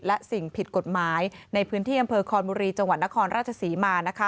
และสิ่งผิดกฎหมายในพื้นที่อำเภอคอนบุรีจังหวัดนครราชศรีมา